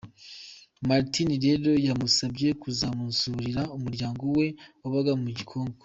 Martin rero yamusabye kuzamusurira umuryango we wabaga ku Gikongoro.